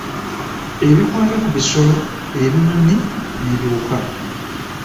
Ebikwata ku bisolo, ebinyonyi n'ebiwuka.